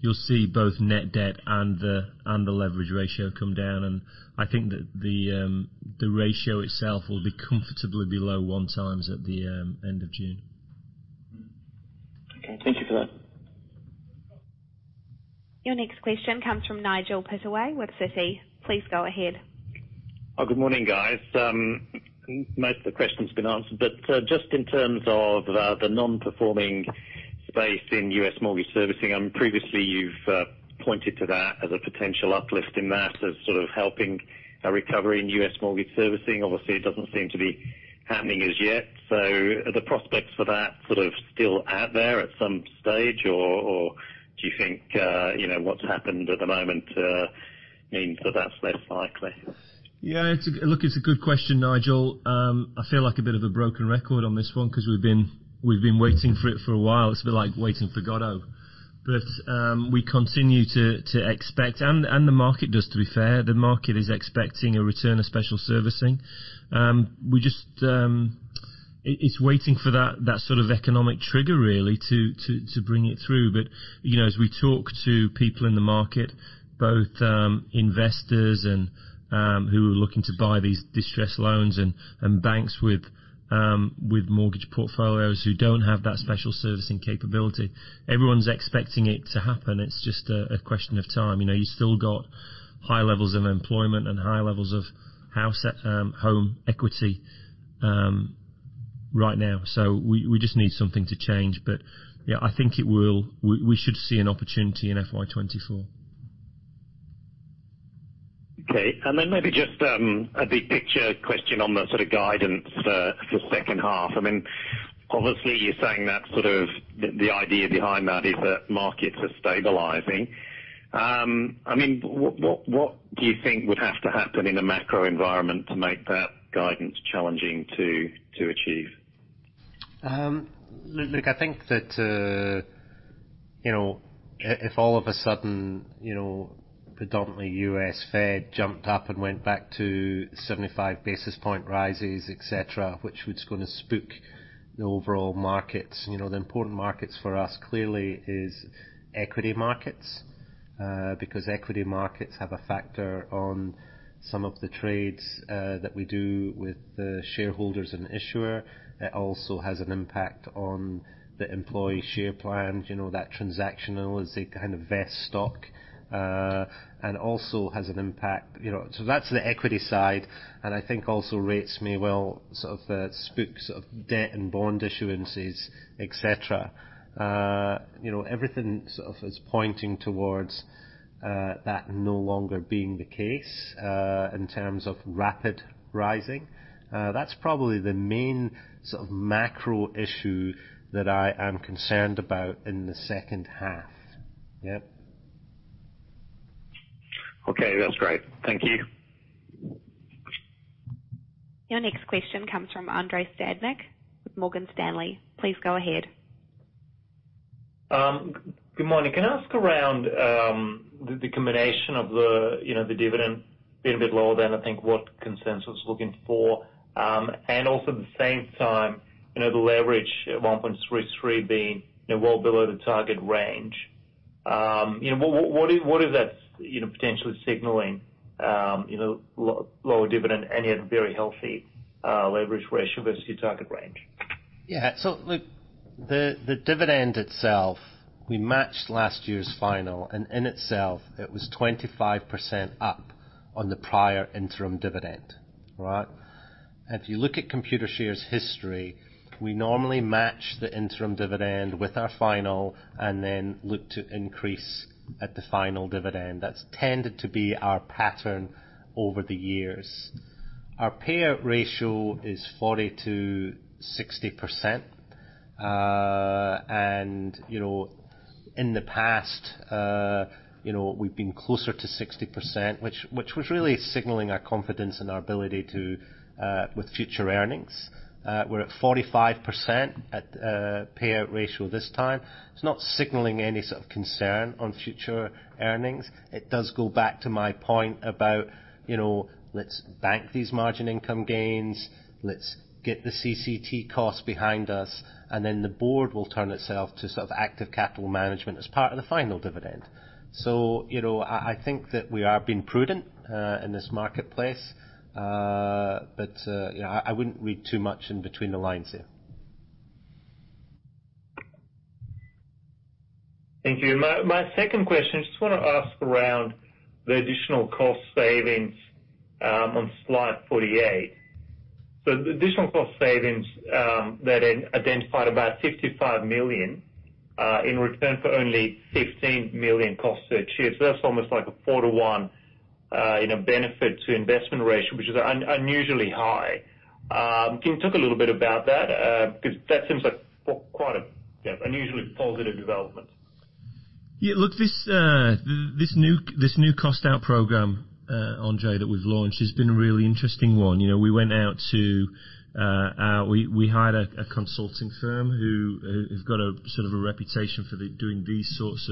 you'll see both net debt and the leverage ratio come down. I think that the ratio itself will be comfortably below one times at the end of June. Okay. Thank you for that. Your next question comes from Nigel Pittaway with Citi. Please go ahead. Good morning, guys. Most of the question's been answered, but just in terms of the non-performing space in US mortgage servicing, previously you've pointed to that as a potential uplift in that as sort of helping a recovery in US mortgage servicing. Obviously, it doesn't seem to be happening as yet. Are the prospects for that sort of still out there at some stage, or do you think, you know, what's happened at the moment means that that's less likely? Yeah, Look, it's a good question, Nigel. I feel like a bit of a broken record on this one because we've been waiting for it for a while. It's been like waiting for Godot. We continue to expect, and the market does, to be fair. The market is expecting a return of special servicing. We just, it's waiting for that sort of economic trigger really to bring it through. You know, as we talk to people in the market, both investors and who are looking to buy these distressed loans and banks with mortgage portfolios who don't have that special servicing capability, everyone's expecting it to happen. It's just a question of time. You know, you still got high levels of employment and high levels of house, home equity, right now. We, we just need something to change. Yeah, I think it will. We, we should see an opportunity in FY 2024. Okay. maybe just a big picture question on the sort of guidance for H2. I mean, obviously you're saying that sort of the idea behind that is that markets are stabilizing. I mean, what do you think would have to happen in the macro environment to make that guidance challenging to achieve? look, I think that, you know, if all of a sudden, you know, predominantly US Fed jumped up and went back to 75 basis point rises, et cetera, which was gonna spook the overall markets. You know, the important markets for us clearly is equity markets, because equity markets have a factor on some of the trades, that we do with the shareholders and issuer. It also has an impact on the employee share plan. Do you know that transactional as they kind of vest stock, and also has an impact. That's the equity side, and I think also rates may well sort of, spooks of debt and bond issuances, et cetera. You know, everything sort of is pointing towards, that no longer being the case, in terms of rapid rising. That's probably the main sort of macro issue that I am concerned about in the H2. Yep. Okay. That's great. Thank you. Your next question comes from Andrey Stadnik with Morgan Stanley. Please go ahead. Good morning. Can I ask around the combination of the dividend being a bit lower than I think what consensus was looking for, and also at the same time, the leverage at 1.33 being well below the target range? What, what is that potentially signaling, lower dividend and yet very healthy leverage ratio versus your target range? Look, the dividend itself, we matched last year's final, and in itself it was 25% up on the prior interim dividend. All right? If you look at Computershare's history, we normally match the interim dividend with our final and then look to increase at the final dividend. That's tended to be our pattern over the years. Our payout ratio is 40%-60%. And, you know, in the past, you know, we've been closer to 60%, which was really signaling our confidence and our ability to, with future earnings. We're at 45% at payout ratio this time. It's not signaling any sort of concern on future earnings. It does go back to my point about, you know, let's bank these margin income gains. Let's get the CCT cost behind us, and then the board will turn itself to sort of active capital management as part of the final dividend. You know, I think that we are being prudent in this marketplace. Yeah, I wouldn't read too much in between the lines there. Thank you. My second question, just wanna ask around the additional cost savings on slide 48. The additional cost savings that identified about $55 million in return for only $15 million costs are achieved. That's almost like a four to one, you know, benefit to investment ratio, which is unusually high. Can you talk a little bit about that? Cause that seems like quite a, yeah, unusually positive development. Yeah. Look, this new cost out program, Andrei Stadnik, that we've launched has been a really interesting one. You know, we went out to we hired a consulting firm who has got a sort of a reputation for the doing these sorts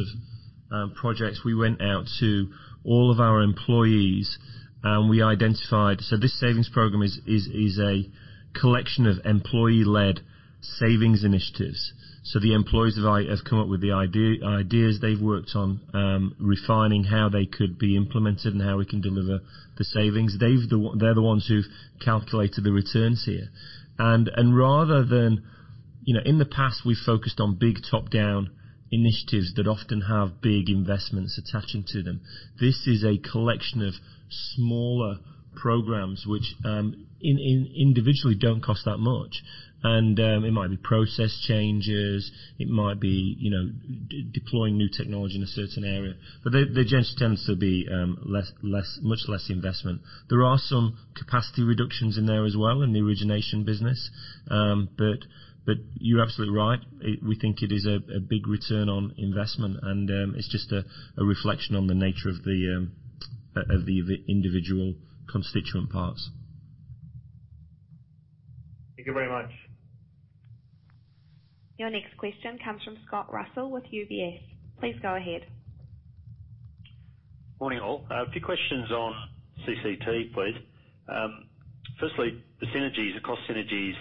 of projects. We went out to all of our employees and we identified... This savings program is a collection of employee-led savings initiatives. The employees have come up with the ideas they've worked on, refining how they could be implemented and how we can deliver the savings. They're the ones who've calculated the returns here. Rather than... You know, in the past we focused on big top-down initiatives that often have big investments attaching to them. This is a collection of smaller programs which, individually don't cost that much. It might be process changes, it might be, you know, deploying new technology in a certain area. They just tends to be much less investment. There are some capacity reductions in there as well in the origination business. You're absolutely right. We think it is a big return on investment, and it's just a reflection on the nature of the of the individual constituent parts. Thank you very much. Your next question comes from Scott Russell with UBS. Please go ahead. Morning, all. A few questions on CCT, please. Firstly, the synergies, the cost synergies.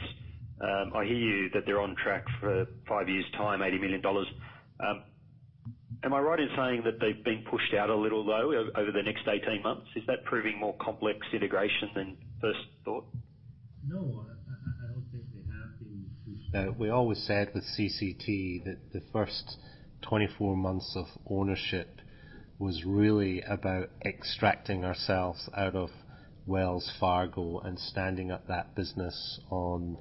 I hear you that they're on track for 5 years' time, $80 million. Am I right in saying that they've been pushed out a little, though, over the next 18 months? Is that proving more complex integration than first thought? No. I don't think they have been. We always said with CCT that the first 24 months of ownership was really about extracting ourselves out of Wells Fargo and standing up that business on,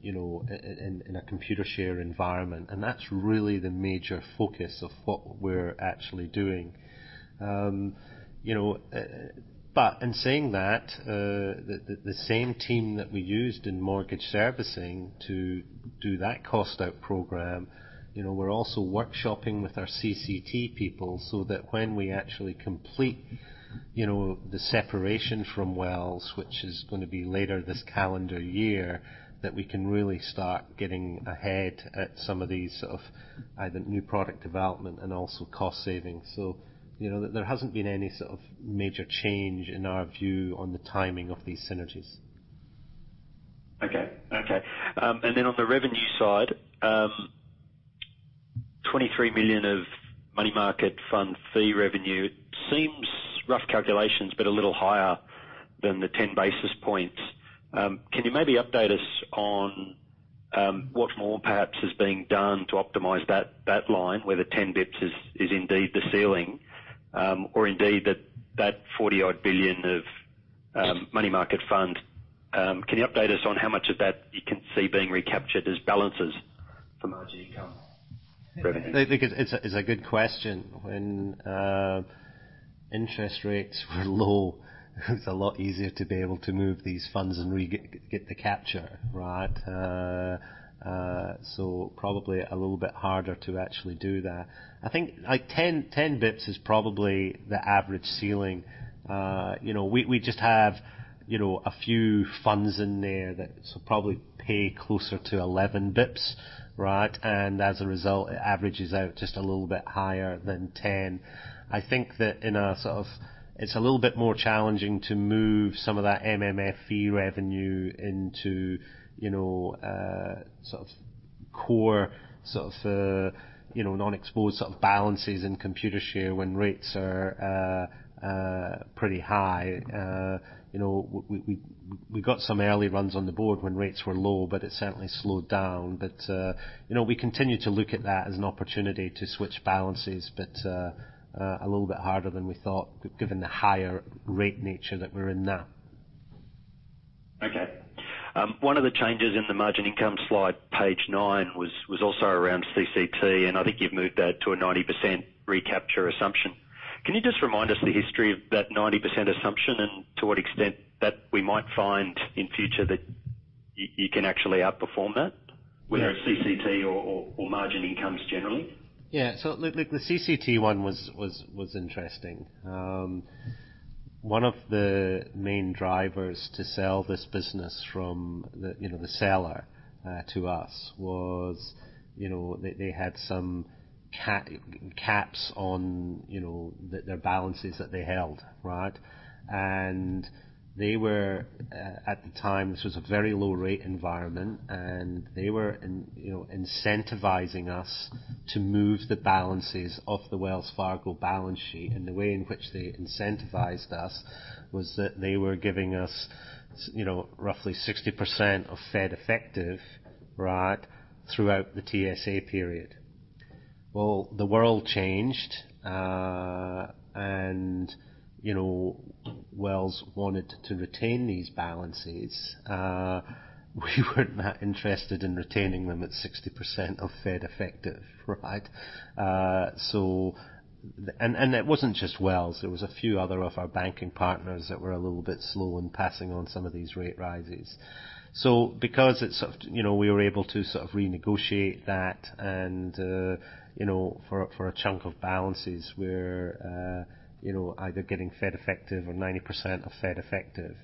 you know, in a Computershare environment. That's really the major focus of what we're actually doing. You know, but in saying that, the same team that we used in mortgage servicing to do that cost out program, you know, we're also workshopping with our CCT people so that when we actually complete, you know, the separation from Wells, which is gonna be later this calendar year, that we can really start getting ahead at some of these sort of either new product development and also cost savings. you know, there hasn't been any sort of major change in our view on the timing of these synergies. Okay. Okay. Then on the revenue side, $23 million of money market fund fee revenue. It seems, rough calculations, but a little higher than the 10 basis points. Can you maybe update us on what more perhaps is being done to optimize that line, whether 10 bps is indeed the ceiling? Indeed that $40 odd billion of money market fund, can you update us on how much of that you can see being recaptured as balances for margin income? Revenue. I think it's a good question. When interest rates were low, it's a lot easier to be able to move these funds and get the capture, right? Probably a little bit harder to actually do that. I think like 10 basis points is probably the average ceiling. You know, we just have, you know, a few funds in there that probably pay closer to 11 basis points, right? As a result, it averages out just a little bit higher than 10. I think that it's a little bit more challenging to move some of that MMF fee revenue into, you know, sort of core, you know, non-exposed sort of balances in Computershare when rates are pretty high. You know, we got some early runs on the board when rates were low, but it certainly slowed down. You know, we continue to look at that as an opportunity to switch balances, but a little bit harder than we thought given the higher rate nature that we're in now. Okay. One of the changes in the margin income slide, page 9, was also around CCT, and I think you've moved that to a 90% recapture assumption. Can you just remind us the history of that 90% assumption and to what extent that you can actually outperform that? Yes. Whether it's CCT or margin incomes generally. Look, the CCT one was interesting. One of the main drivers to sell this business from the, you know, the seller, to us was, you know, they had some caps on, you know, the, their balances that they held, right? They were at the time, this was a very low rate environment, and they were in, you know, incentivizing us to move the balances off the Wells Fargo balance sheet. The way in which they incentivized us was that they were giving us, you know, roughly 60% of Fed effective, right, throughout the TSA period. The world changed. Wells wanted to retain these balances. We weren't that interested in retaining them at 60% of Fed effective, right? That wasn't just Wells, there was a few other of our banking partners that were a little bit slow in passing on some of these rate rises. Because it, you know, we were able to renegotiate that and, you know, for a chunk of balances, we're, you know, either getting Fed effective or 90% of Fed effective.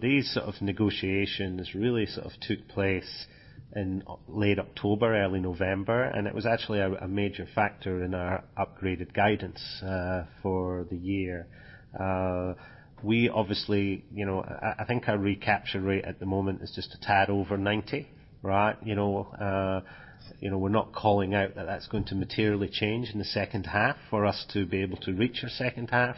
These negotiations really took place in late October, early November, and it was actually a major factor in our upgraded guidance for the year. We obviously, you know, I think our recapture rate at the moment is just a tad over 90, right? You know, you know, we're not calling out that that's going to materially change in the H2 for us to be able to reach our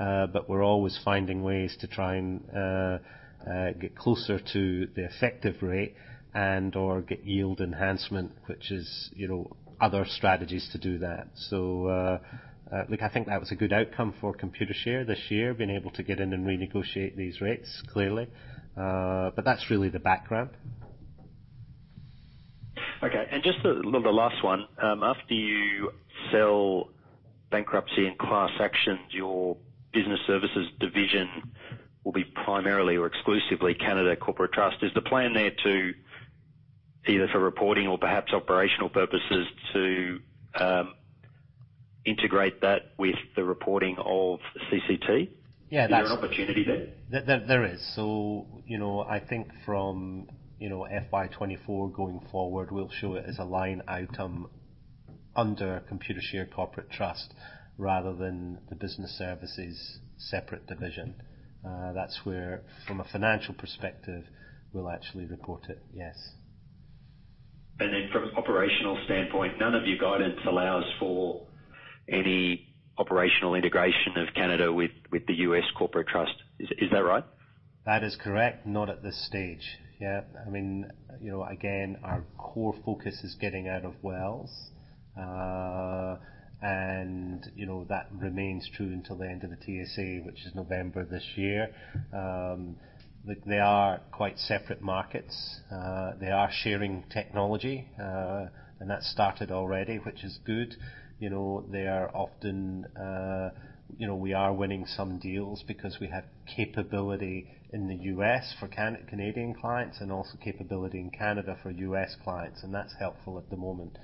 H2. We're always finding ways to try and get closer to the effective rate and/or get yield enhancement, which is, you know, other strategies to do that. Look, I think that was a good outcome for Computershare this year, being able to get in and renegotiate these rates, clearly. That's really the background. Okay. Just the last one. After you sell bankruptcy and class actions, your business services division will be primarily or exclusively Canada Corporate Trust. Is the plan there to either for reporting or perhaps operational purposes to integrate that with the reporting of CCT? Yeah. Is there an opportunity there? There is. You know, I think from, you know, FY 2024 going forward, we'll show it as a line item under Computershare Corporate Trust rather than the business services separate division. That's where from a financial perspective we'll actually report it. Yes. From an operational standpoint, none of your guidance allows for any operational integration of Canada with the US Corporate Trust. Is that right? That is correct. Not at this stage. Yeah. I mean, you know, again, our core focus is getting out of Wells. You know, that remains true until the end of the TSA, which is November this year. They, they are quite separate markets. They are sharing technology, and that's started already, which is good. You know, we are winning some deals because we have capability in the US for Can-Canadian clients and also capability in Canada for US clients, and that's helpful at the moment.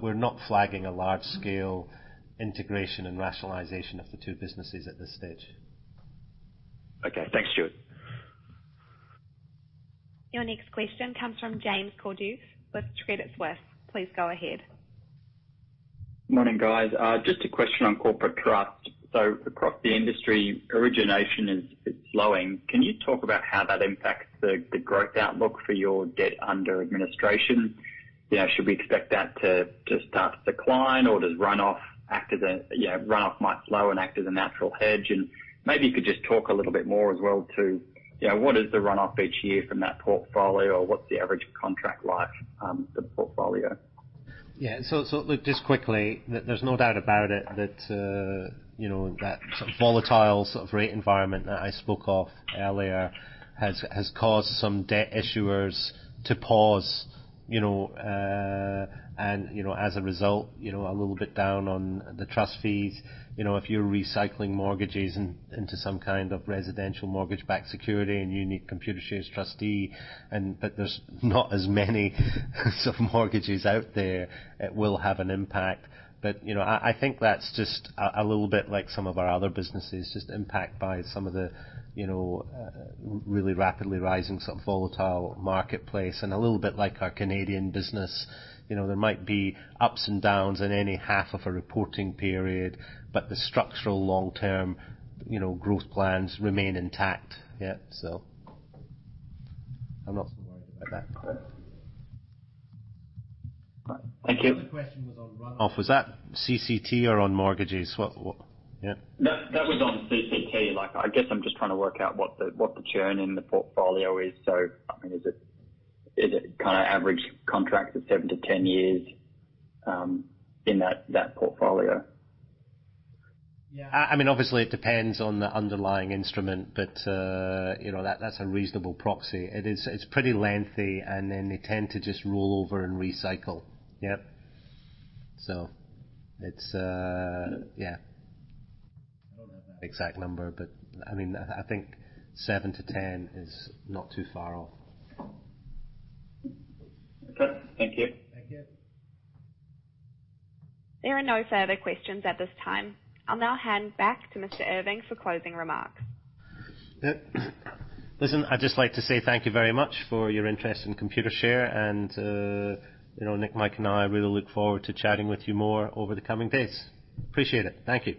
We're not flagging a large scale integration and rationalization of the two businesses at this stage. Okay. Thanks, Stuart. Your next question comes from James Cordukes with Credit Suisse. Please go ahead. Morning, guys. Just a question on Corporate Trust. Across the industry, origination, it's slowing. Can you talk about how that impacts the growth outlook for your debt under administration? You know, should we expect that to start to decline or does runoff act as a. You know, runoff might slow and act as a natural hedge? Maybe you could just talk a little bit more as well to, you know, what is the runoff each year from that portfolio or what's the average contract life of the portfolio? Yeah. Look, just quickly. There's no doubt about it that, you know, that some volatile sort of rate environment that I spoke of earlier has caused some debt issuers to pause. You know, as a result, you know, a little bit down on the trust fees. You know, if you're recycling mortgages into some kind of residential mortgage-backed security and you need Computershare as trustee. There's not as many sort of mortgages out there, it will have an impact. You know, I think that's just a little bit like some of our other businesses. Just impact by some of the, you know, really rapidly rising sort of volatile marketplace. A little bit like our Canadian business, you know, there might be ups and downs in any half of a reporting period, but the structural long-term, you know, growth plans remain intact. I'm not so worried about that. Thank you. The other question was on runoff. Was that CCT or on mortgages? What? Yeah. That was on CCT. Like, I guess I'm just trying to work out what the churn in the portfolio is. I mean, is it kinda average contract of 7-10 years in that portfolio? I mean, obviously it depends on the underlying instrument, but, you know, that's a reasonable proxy. It's pretty lengthy, and then they tend to just roll over and recycle. Yep. I don't have an exact number, but I mean, I think 7 to 10 is not too far off. Okay. Thank you. Thank you. There are no further questions at this time. I'll now hand back to Mr. Irving for closing remarks. Listen, I'd just like to say thank you very much for your interest in Computershare and, you know, Nick, Mike, and I really look forward to chatting with you more over the coming days. Appreciate it. Thank you.